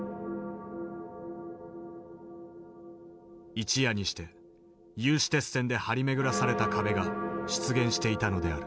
一夜にして有刺鉄線で張り巡らされた壁が出現していたのである。